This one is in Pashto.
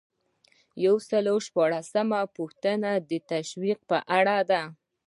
یو سل او شپږلسمه پوښتنه د تشویق په اړه ده.